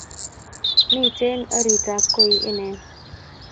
Miten oritab koii ine